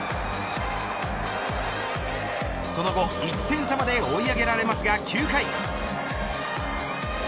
その後、１点差まで追い上げられますが９回。